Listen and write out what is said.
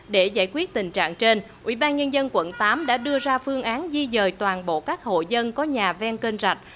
để giải quyết tình trạng trên ubnd quận tám đã đưa ra phương án di dời toàn bộ các hộ dân có nhà ven kênh rạch